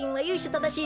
ただしい